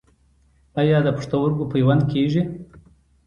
آیا د پښتورګو پیوند کیږي؟